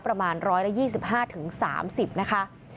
ประมาณ๑๒๕๓๐นะคะ